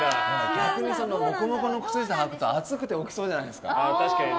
モコモコの靴下をはくと暑くて起きそうじゃないですか。